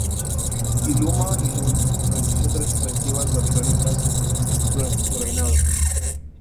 Iluma-ilum rechazó tres ofensivas babilónicas durante su reinado.